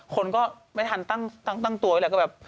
คนก็ไม่ทันตั้งตัวไว้แล้วก็แบบ